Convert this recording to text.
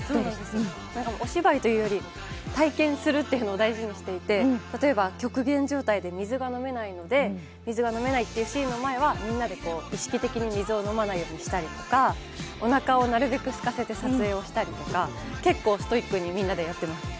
お芝居というより、体験することを大事にしていて例えば極限状態で水が飲めないので、水が飲めないというシーンの前ではみんなで意識的に水を飲まないようにしたりとかおなかをなるべくすかせて撮影をしたりとか結構、ストイックにみんなでやってます。